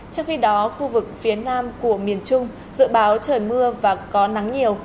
trong khi đó khu vực phía nam của miền trung dự báo trời mưa và có nắng nhiều